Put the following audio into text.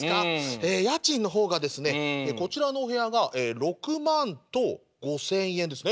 ええ家賃の方がですねこちらのお部屋が６万と５，０００円ですね。